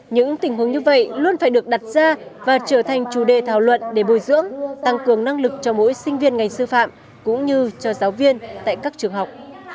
những tình huống như vậy luôn phải được đặt ra và trở thành chủ đề thảo luận để bồi dưỡng tăng cường năng lực cho mỗi sinh viên ngành sư phạm cũng như cho giáo viên tại các trường học